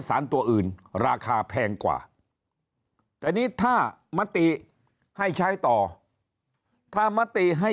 สารตัวอื่นราคาแพงกว่าแต่นี่ถ้ามติให้ใช้ต่อถ้ามติให้